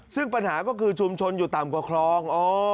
ซึ่งปัญหาก็คือชุมชนอยู่ต่ำกว่าคลอง